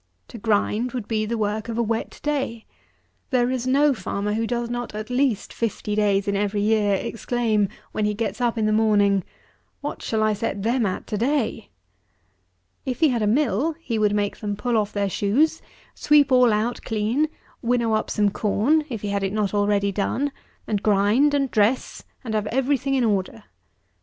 To grind would be the work of a wet day. There is no farmer who does not at least fifty days in every year exclaim, when he gets up in the morning, "What shall I set them at to day?" If he had a mill, he would make them pull off their shoes, sweep all out clean, winnow up some corn, if he had it not already done, and grind and dress, and have every thing in order.